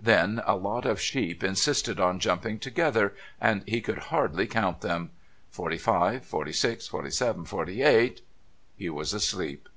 Then a lot of sheep insisted on jumping together, and he could hardly count them forty five, forty six, forty seven, forty eight.... He was asleep.